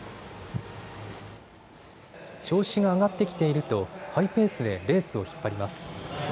調子が上がってきているとハイペースでレースを引っ張ります。